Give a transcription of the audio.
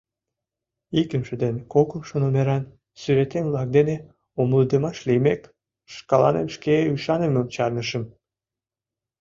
Икымше ден кокымшо номеран сӱретем-влак дене умылыдымаш лиймек, шкаланем шке ӱшанымым чарнышым.